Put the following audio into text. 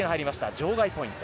場外ポイント。